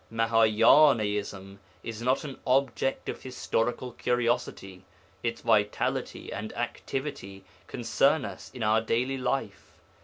Mahâyânaism is not an object of historical curiosity. Its vitality and activity concern us in our daily life.